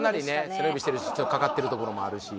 背伸びしてるしちょっとかかってるところもあるし。